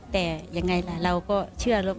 แต่ยังไงล่ะเราก็เชื่อแล้ว